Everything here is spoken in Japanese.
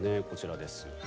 こちらです。